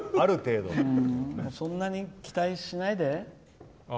そんなに期待しないで。